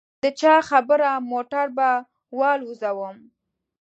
د چا خبره موټر به والوزووم.